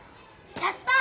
やった！